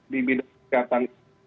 di bidang kesehatan